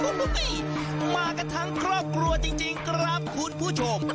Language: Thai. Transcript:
โอ้โหมากันทั้งครอบครัวจริงครับคุณผู้ชม